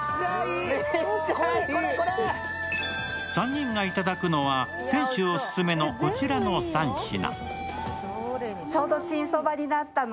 ３人がいただくのは店主オススメのこちらの３品。